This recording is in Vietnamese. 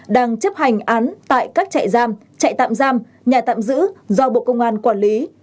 đang chấp hành án tại các trại giam trại tạm giam nhà tạm giữ do bộ công an quản lý